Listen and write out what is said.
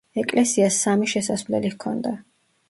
ეკლესიას სამი შესასვლელი ჰქონდა.